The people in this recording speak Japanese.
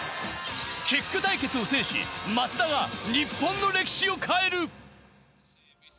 キック対決を制し、松田が日本の歴史を変える。